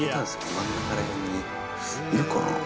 真ん中ら辺にいるかな？